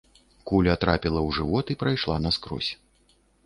Куля трапіла ў жывот і прайшла наскрозь.